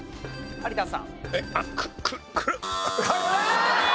有田さん！